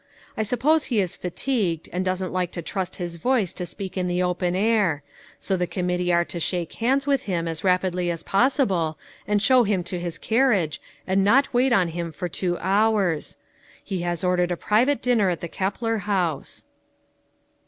I suppose he is fatigued, and doesn't like to trust his voice to speak in the open air ; so the com mittee are to shake hands with him as rapidly as possible, and show him to his carriage, and not wait on him for two hours. He has ordered a private dinner at the Keppler House.